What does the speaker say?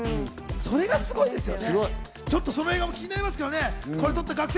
それがすごいですよね。